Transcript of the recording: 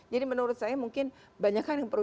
jadi menurut saya mungkin banyak kan yang perlu